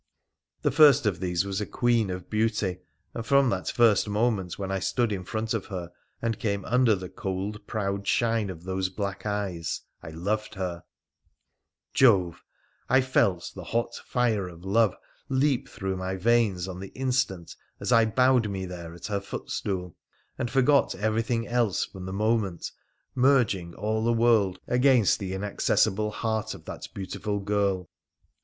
The first of these was a queen of beauty, and from that first moment when I stood in front of her, and came under the cold, proud shine of those black eyes, I loved her ! Jove ! I felt the hot fire of love leap through my veins on the instant as I bowed me there at her footstool and forgot everything else from the moment, merging all the world against the PHRA THE PH&NlCtAN 149 Inaccessible heart of that beautiful girl.